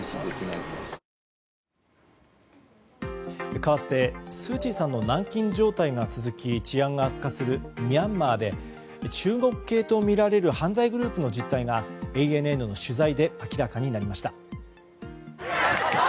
かわってスー・チーさんの軟禁状態が続き治安が悪化するミャンマーで中国系とみられる犯罪グループの実態がＡＮＮの取材で明らかになりました。